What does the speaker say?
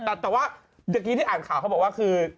แต่ว่าเมื่อกี้ที่อ่านข่าวเขาบอกว่าคือ